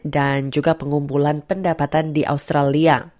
dan juga pengumpulan pendapatan di australia